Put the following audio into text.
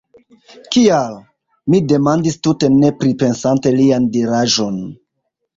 Kial? mi demandis tute ne pripensante lian diraĵon.